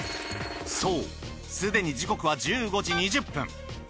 そうすでに時刻は１５時２０分。